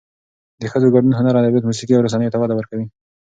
د ښځو ګډون هنر، ادبیات، موسیقي او رسنیو ته وده ورکوي.